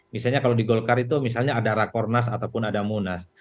misalnya kalau di golkar itu misalnya ada rakornas ataupun ada munas